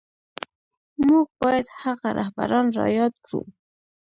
موږ بايد هغه رهبران را ياد کړو.